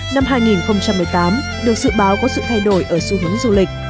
năm hai nghìn một mươi tám được dự báo có sự thay đổi ở xu hướng du lịch